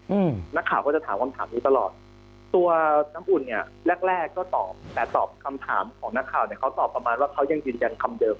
อืมนักข่าวก็จะถามคำถามนี้ตลอดตัวน้ำอุ่นเนี่ยแรกแรกก็ตอบแต่ตอบคำถามของนักข่าวเนี้ยเขาตอบประมาณว่าเขายังยืนยันคำเดิม